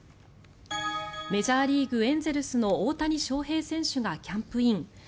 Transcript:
メジャーリーグ、エンゼルスの大谷翔平選手がキャンプイン。